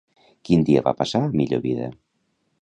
Quin dia va passar a millor vida?